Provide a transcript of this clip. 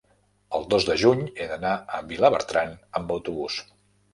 el dos de juny he d'anar a Vilabertran amb autobús.